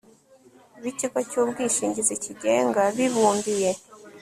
b ikigo cy ubwishingizi cyigenga bibumbiye